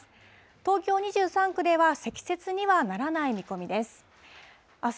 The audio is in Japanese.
東京２３区では、積雪にはならない見込みです。